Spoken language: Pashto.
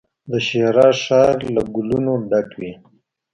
د شیراز ښار له ګلو نو ډک وي.